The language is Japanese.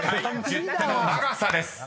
十手の長さです］